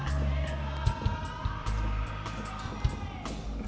tidak hanya memandangani prasasti deklarasi deklarasi damai